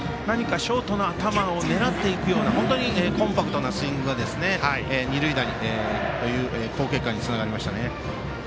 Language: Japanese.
ショートの頭を狙っていくようなコンパクトなスイングが二塁打という好結果につながりました。